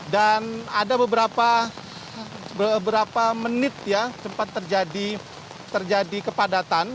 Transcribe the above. dan ada beberapa menit ya tempat terjadi kepadatan